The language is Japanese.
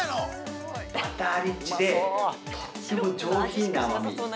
バターリッチでとっても上品な甘み。